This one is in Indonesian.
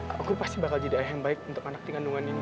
aku pasti bakal jadi ayah yang baik untuk anak di kandungan ini